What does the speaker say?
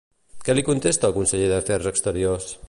Què li contesta el conseller d'Afers Exteriors?